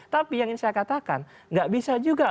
tapi yang ini saya katakan gak bisa juga